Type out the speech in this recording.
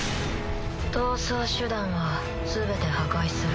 逃走手段は全て破壊する。